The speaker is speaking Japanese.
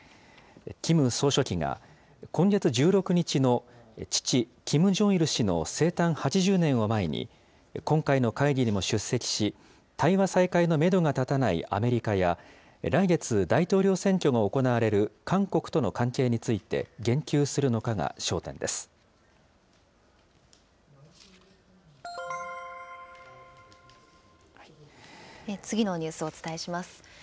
キム総書記が、今月１６日の父、キム・ジョンイル氏の生誕８０年を前に、今回の会議にも出席し、対話再開のメドが立たないアメリカや来月、大統領選挙が行われる韓国との関係について言及するの次のニュースをお伝えします。